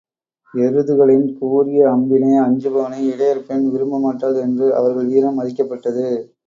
எருதுகளின் கூரிய அம்பினை அஞ்சுபவனை இடையர் பெண் விரும்பமாட்டாள் என்று அவர்கள் வீரம் மதிக்கப்பட்டது.